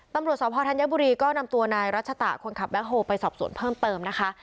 ตำรวจสพธัญบุรีก็นำตัวนายรัชตะคนขับแบ็คโฮลไปสอบสวนเพิ่มเติมนะคะ